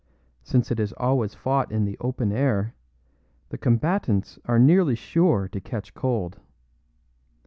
Since it is always fought in the open air, the combatants are nearly sure to catch cold.